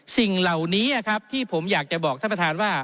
สิ่งเหล่านี้ครับที่ผมอยากจะบอกท่านประธานว่า